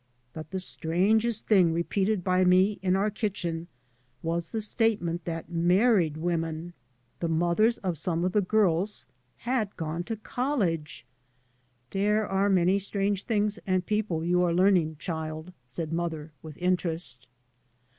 But the strangest thing repeated by me in our kitchen was the statement that married women, the 3 by Google MY MOTHER AND I mothers of some of the girls, had gone to college I " There are many strange things and people you are learning, childie," said mother, with interest.